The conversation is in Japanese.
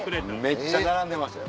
めっちゃ並んでましたよ。